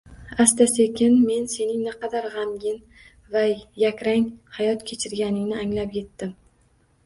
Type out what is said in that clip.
Asta-sekin men sening naqadar g‘amgin va yakrang hayot kechirganingni anglab yetdim.